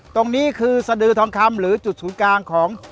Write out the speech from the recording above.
ตรงนี้คือสดือทองคำหรือจุดศูนย์กลางของ